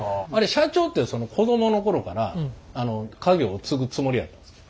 社長って子供の頃から家業を継ぐつもりやったんですか？